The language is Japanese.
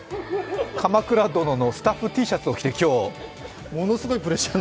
「「鎌倉殿」のスタッフＴシャツを着て。